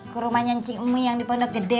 ke rumahnya cik emi yang dipendek gede